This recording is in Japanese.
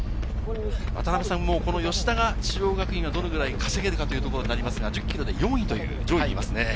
渡辺さん、吉田が中央学院はどのくらい稼げるかというところになりますが、１０ｋｍで４位という上位にいますね。